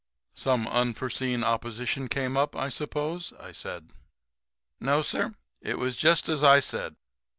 "Some unforeseen opposition came up, I suppose," I said. "No, sir, it was just as I said.